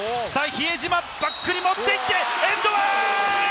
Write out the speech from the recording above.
比江島、バックに持っていってエンドワン！